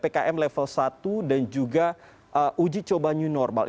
bagaimana perbedaan ppkn level satu dan juga uji coba new normal